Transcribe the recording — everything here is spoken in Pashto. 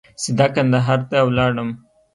سیده کندهار ته ولاړم.